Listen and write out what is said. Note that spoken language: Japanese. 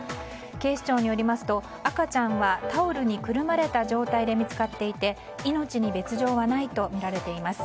警視庁によりますと赤ちゃんはタオルにくるまれた状態で見つかっていて命に別条はないとみられています。